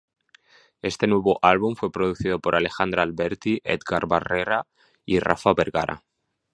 Este nuevo álbum fue producido por Alejandra Alberti, Edgar Barrera y Rafa Vergara.